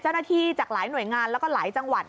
เจ้าหน้าที่จากหลายหน่วยงานแล้วก็หลายจังหวัด